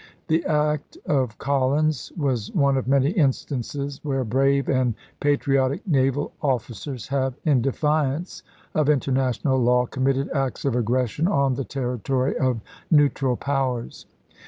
The act of Collins was one of many instances where brave and patri otic naval officers have, in defiance of international law, committed acts of aggression on the territory of nentral powers.